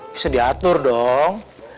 bisa diatur dong